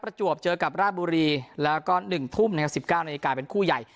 ประจวบเจอกับราบุรีแล้วก็๑ทุ่มนะครับ๑๙นาฬิกาเป็นคู่ใหญ่